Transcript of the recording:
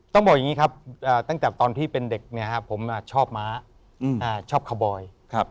ต้องบอกอย่างนี้ครับตั้งแต่ตอนที่เป็นเด็กผมชอบม้าชอบคาร์บอย